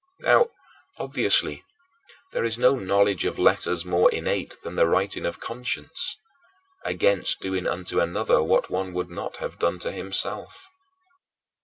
Now, obviously, there is no knowledge of letters more innate than the writing of conscience against doing unto another what one would not have done to himself.